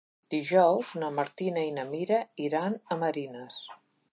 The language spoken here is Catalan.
Dijous na Martina i na Mira iran a Marines.